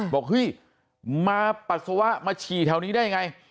บอกว่ามาปัสสาวะมาฉี่แถวนี้ได้ไง